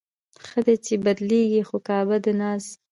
ښه ده، چې بدلېږي خو کعبه د ناز